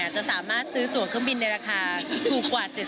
จะสามารถซื้อตัวเครื่องบินในราคาถูกกว่า๗๐